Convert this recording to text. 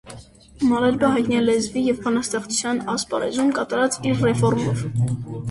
Մալերբը հայտնի է լեզվի և բանաստեղծության ասպարեզում կատարած իր ռեֆորմով։